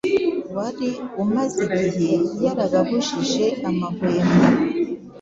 wari umaze igihe yarababujije amahwemo".